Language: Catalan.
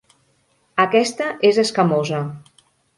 Aquesta és escamosa.